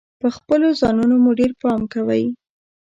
پر خپلو ځانونو مو ډیر پام کوﺉ .